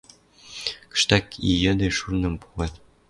Кыштак и йӹде шурным погат